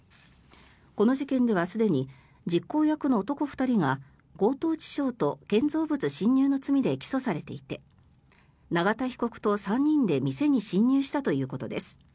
この事件ではすでに実行役の男２人が強盗致傷と建造物侵入の罪で起訴されていて永田被告と３人で店に侵入したということです。